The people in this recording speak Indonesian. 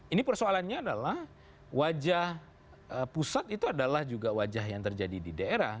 ini persoalannya adalah wajah pusat itu adalah juga wajah yang terjadi di daerah